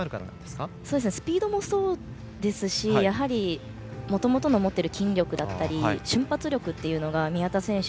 スピードもそうですしもともとの筋力や瞬発力というのが宮田選手